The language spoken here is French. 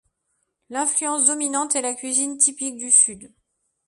L’influence dominante est la cuisine typique du Sud.